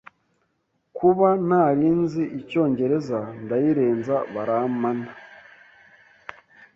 kuba ntari nzi Icyongereza ndayirenza barampana